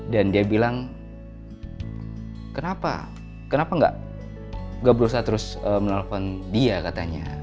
dan dia bilang kenapa kenapa gak berusaha terus menelpon dia katanya